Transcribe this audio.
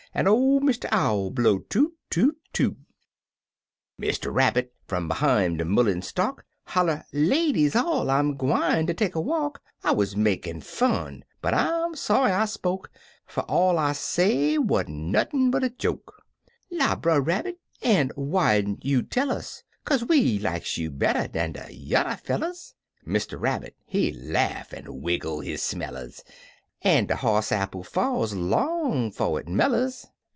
An' or Mr. Owl blow toot toot toot I Mr. Rabbit, fum behime de mullein stalk, Holler, "Ladies all, I'm gwine ter take a walk: I wuz makin' fun, but I'm sony I spoke, Ferall I say wa'n't nothin' but a joke. "" La, Brer RabbttI an' whyn't you tell us ? Kaze we likes you better dan de yuther fellers." Mr. Rabbit, he laugh an' wiggle his smellers, An' " De hoss apple falls long 'fo' it mellers!